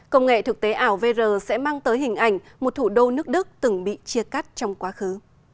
công nghệ thực tế ảo vr sẽ mang tới hình ảnh một thủ đô nước đức từng bị chia cắt trong quá khứ